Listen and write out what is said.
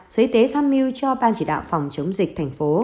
sở y tế tham mưu cho ban chỉ đạo phòng chống dịch tp đn